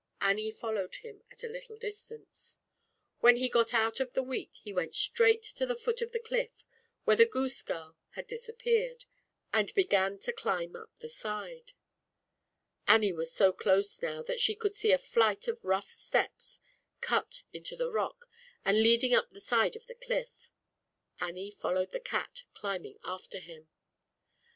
Annie followed him at little distance. When he got out of thl wheat, he went straight to the foot the cliff, where the goose girl had peared, and began to climb up the sij Annie was so close now that she c< see a flight of rough steps cut into rock and leading up the side of the cL Annie followed the cat, climbing afti him.